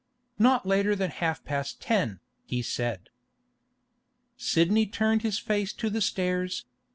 'Not later than half past ten, he said.' Sidney turned his face to the stairs.